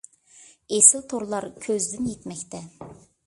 ئېسىل تورلار كۆزدىن يىتمەكتە.